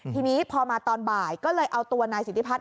ทีนี้พอมาตอนบ่ายก็เลยเอาตัวนายสิทธิพัฒน